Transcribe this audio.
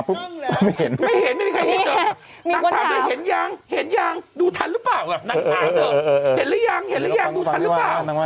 พี่เห็นแมะ